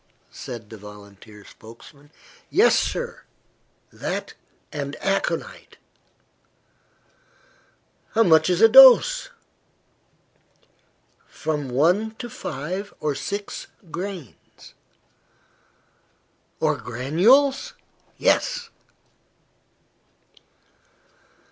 said the volunteer spokesman. "Yes, sir; that and aconite." "How much is a dose?" "From one to five or six grains." "Or granules?" "Yes."